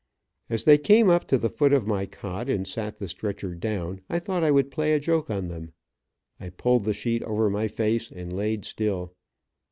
As they came up to the foot of my cot and sat the stretcher down, I thought I would play a joke on them. I pulled the sheet over my face, and laid still.